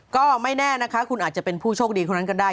ก็ไม่แน่นะคะคุณอาจจะเป็นผู้โชคดีคนนั้นก็ได้